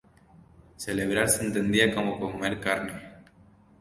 Celebrar se entendía como comer carne.